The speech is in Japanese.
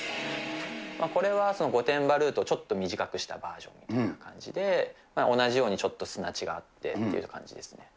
これは御殿場ルートをちょっと短くしたバージョンみたいな感じで、同じようにちょっと砂地があってっていう感じですね。